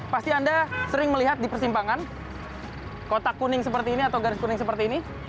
pasti anda sering melihat di persimpangan kotak kuning seperti ini atau garis kuning seperti ini